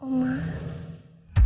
terima kasih banyak ya pak